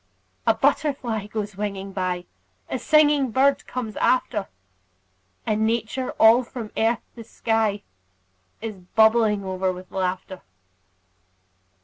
A butterfly goes winging by; A singing bird comes after; And Nature, all from earth to sky, Is bubbling o'er with laughter.